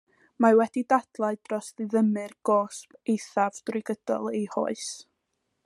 Mae wedi dadlau dros ddiddymu'r gosb eithaf drwy gydol ei hoes.